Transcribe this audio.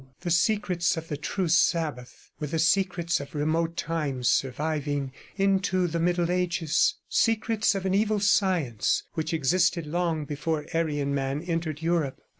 The secrets of the true Sabbath were the secrets of remote times surviving into the Middle Ages, secrets of an evil science which existed long before Aryan man entered Europe.